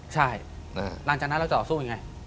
ใช่หลังจากนั้นเราจะต่อสู้ยังไง